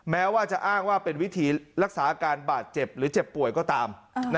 แม้ว่าจะอ้างว่าเป็นวิธีรักษาอาการบาดเจ็บหรือเจ็บป่วยก็ตาม